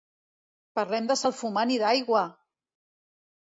Parlem de salfumant i d'aigua!